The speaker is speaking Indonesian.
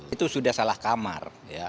itu sudah salah kamar